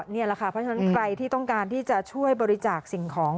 นี่แหละค่ะเพราะฉะนั้นใครที่ต้องการที่จะช่วยบริจาคสิ่งของ